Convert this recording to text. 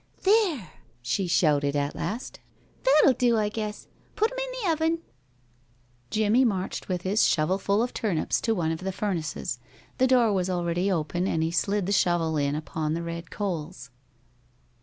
"There!" she shouted at last. "That'll do, I guess. Put 'em in the oven." Jimmie marched with his shovelful of turnips to one of the furnaces. The door was already open, and he slid the shovel in upon the red coals.